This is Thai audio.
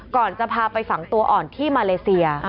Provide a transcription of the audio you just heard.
ก่อนจะพาไปฝังตัวอ่อนที่มาเลเซีย